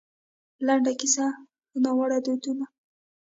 لـنـډه کيـسـه :نـاوړه دودونـه